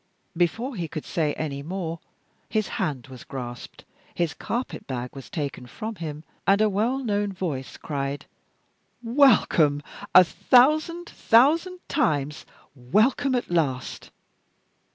Before he could say any more his hand was grasped, his carpet bag was taken from him, and a well known voice cried, "Welcome! a thousand thousand times welcome, at last!